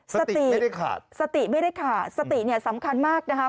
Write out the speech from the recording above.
สติไม่ได้ขาดสติไม่ได้ขาดสติสำคัญมากนะคะ